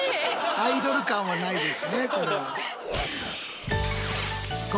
アイドル感はないですね。